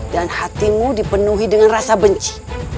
dan hatimu dipenuhi dengan rasa benci